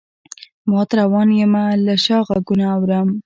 مات روان یمه له شا غــــــــږونه اورم